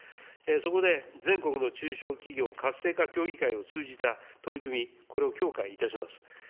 そこで全国の中小企業活性化協議会を通じた取り組み、これを強化いたします。